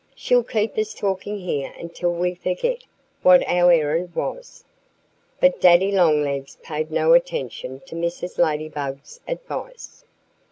She'll keep us talking here until we forget what our errand was!" But Daddy Longlegs paid no attention to Mrs. Ladybug's advice.